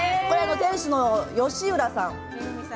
店主の吉浦さん。